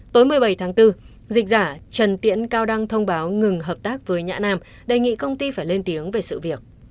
tối một mươi bảy tháng bốn dịch giả trần tiễn cao đăng thông báo ngừng hợp tác với nhã nam đề nghị công ty phải lên tiếng về sự việc